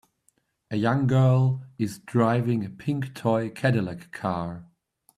A young girl is driving a pink toy Cadillac car.